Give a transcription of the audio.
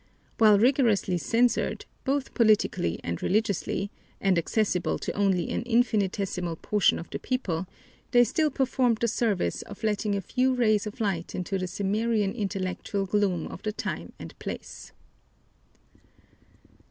While rigorously censored, both politically and religiously, and accessible to only an infinitesimal portion of the people, they still performed the service of letting a few rays of light into the Cimmerian intellectual gloom of the time and place.